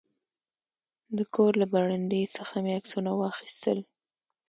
د کور له برنډې څخه مې عکسونه واخیستل.